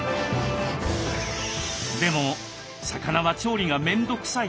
でも魚は調理が面倒くさい。